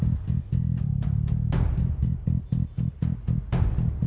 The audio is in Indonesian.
oh achievednya yang terbaik